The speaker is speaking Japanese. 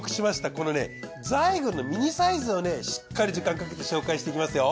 このザイグルミニサイズをしっかり時間かけて紹介していきますよ。